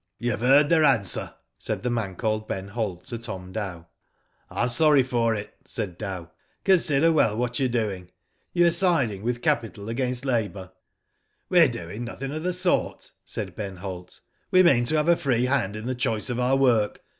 "You have heard their answer," said the man called Ben Holt to Tom Dow. "I am sorry for it," said Dow. "Consider well what you are doing. You are siding with capital against labour." " WeVe doing nothing of the sort," said Ben Holt. "We mean to have a free hand in the choice of our work.